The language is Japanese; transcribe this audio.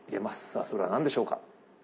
さあそれは何でしょうか？